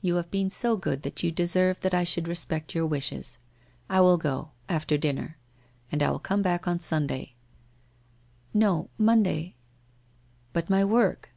You have been so good that you deserve that I should re spect your wishes. I will go. After dinner. And I will come back on Sunday/ ' No, Monday/ ' But my work